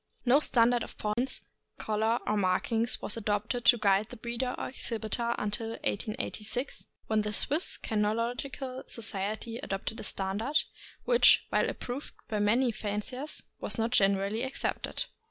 No standard of points, color, or markings was adopted to guide the breeder or exhibitor until 1886, when the Swiss THE ST. BERNARD. 555 Kynological Society adopted a standard, which, while ap proved by many fanciers, was not generally accepted.